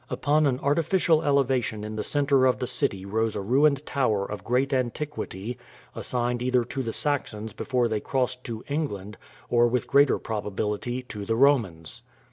Upon an artificial elevation in the centre of the city rose a ruined tower of great antiquity, assigned either to the Saxons before they crossed to England or with greater probability to the Romans.